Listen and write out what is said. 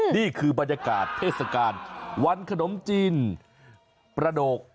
นี่คือบรรยากาศเทศกาลวันขนมจีนประโดก